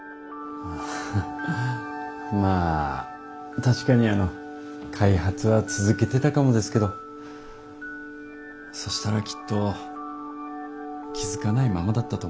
まあ確かにあの開発は続けてたかもですけどそしたらきっと気付かないままだったと思います。